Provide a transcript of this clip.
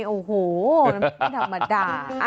โอ้โหไม่ธรรมดา